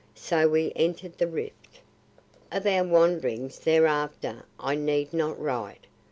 So we entered the rift. Of our wanderings thereafter I need not write.